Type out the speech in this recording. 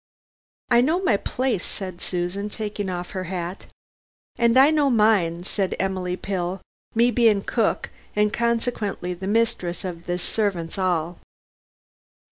"I know my place," said Susan, taking off her hat. "And I know mine," said Emily Pill, "me being cook and consequently the mistress of this servants' 'all.